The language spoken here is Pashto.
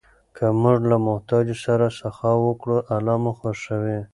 که موږ له محتاجو سره سخا وکړو، الله مو خوښوي.